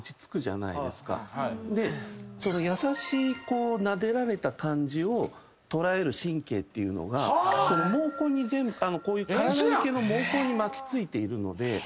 優しいなでられた感じを捉える神経っていうのが毛根に体の毛の毛根に巻きついているので。